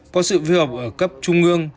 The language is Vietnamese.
có sự phù hợp ở cấp trung ương